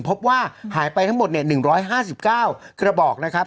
พบว่าหายไปทั้งหมด๑๕๙กระบอกนะครับ